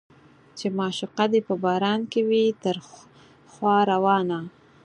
چې معشوقه دې په باران کې وي تر خوا روانه